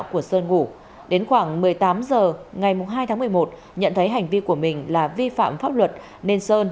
của sơn ngủ đến khoảng một mươi tám h ngày hai tháng một mươi một nhận thấy hành vi của mình là vi phạm pháp luật nên sơn